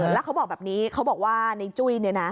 แล้วเขาบอกแบบนี้เขาบอกว่าในจุ้ย